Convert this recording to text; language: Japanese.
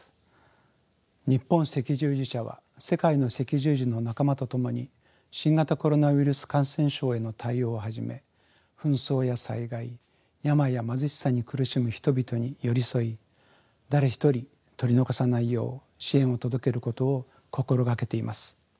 日本赤十字社は世界の赤十字の仲間と共に新型コロナウイルス感染症への対応をはじめ紛争や災害病や貧しさに苦しむ人々に寄り添い誰一人取り残さないよう支援を届けることを心掛けています。